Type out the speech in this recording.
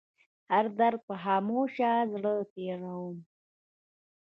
هر درد په خاموشه زړه تيروم